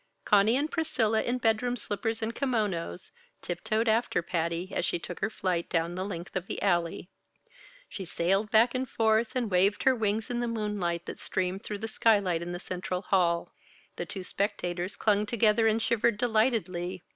Conny and Priscilla, in bedroom slippers and kimonos, tiptoed after Patty as she took her flight down the length of the Alley. She sailed back and forth and waved her wings in the moonlight that streamed through the skylight in the central hall. The two spectators clung together and shivered delightedly.